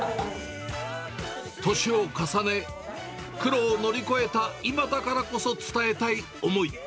年を重ね、苦労を乗り越えた今だからこそ伝えたい思い。